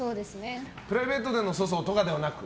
プライベートでの粗相とかではなく。